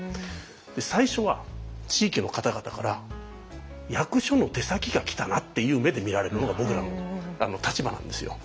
最初は地域の方々から「役所の手先が来たな」っていう目で見られるのが僕らの立場なんですよ。